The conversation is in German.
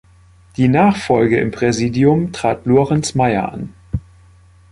Die Nachfolge im Präsidium trat Lorenz Meyer an.